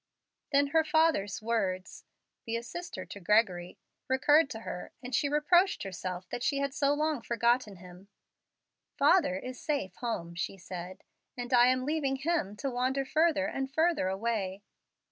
Then her father's words, "Be a sister to Gregory," recurred to her, and she reproached herself that she had so long forgotten him. "Father is safe home," she said, "and I am leaving him to wander further and further away.